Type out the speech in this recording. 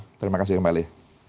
baik terima kasih kembali